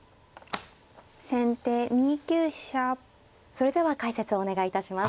それでは解説お願いいたします。